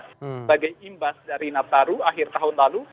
sebagai imbas dari nataru akhir tahun lalu